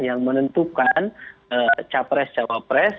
dan ketemu juga kita gidang jabat direkam